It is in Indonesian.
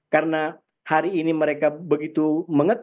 karena hari ini mereka begitu berpengaruh begitu berpengaruh dan juga berpengaruh